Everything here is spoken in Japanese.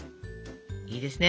いいですね。